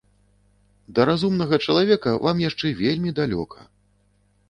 Да разумнага чалавека вам яшчэ вельмі далёка.